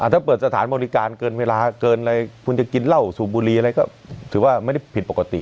ถ้าเปิดสถานบริการเกินเวลาเกินอะไรคุณจะกินเหล้าสูบบุรีอะไรก็ถือว่าไม่ได้ผิดปกติ